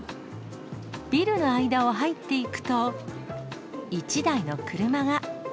ビルの間を入っていくと、１台の車が。